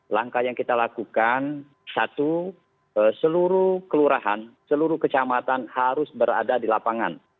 langkah yang kita lakukan satu seluruh kelurahan seluruh kecamatan harus berada di lapangan